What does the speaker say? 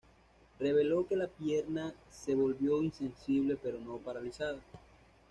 Reveló que la pierna se volvió insensible pero no paralizada.